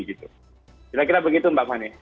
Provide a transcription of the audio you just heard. kira kira begitu mbak fani